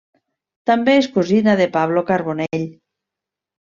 També és cosina de Pablo Carbonell.